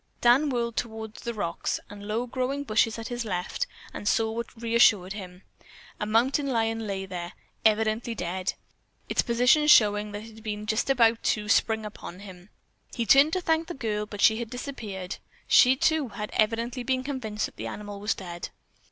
Dan whirled toward the rocks and low growing bushes at his left and what he saw reassured him. A mountain lion lay there, evidently dead, its position showing that it had been just about to spring upon him. He turned to thank the girl, but she had disappeared. She, too, had evidently been convinced that the animal was dead.